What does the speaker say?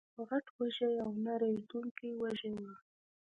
غټ وږي او نه رژېدونکي وږي وو